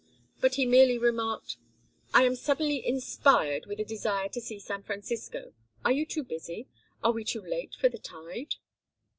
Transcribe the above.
But he merely remarked: "I am suddenly inspired With a desire to see San Francisco. Are you too busy? Are we too late for the tide?"